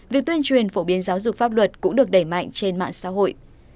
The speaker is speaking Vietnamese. việc tuyên truyền phổ biến giáo dục pháp luật cũng được đẩy mạnh trên mạng xã hội